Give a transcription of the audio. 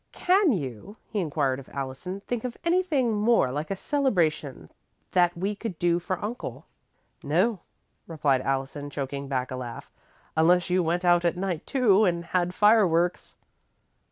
"Can you," he inquired of Allison, "think of anything more like a celebration that we could do for Uncle?" "No," replied Allison, choking back a laugh, "unless you went out at night, too, and had fireworks."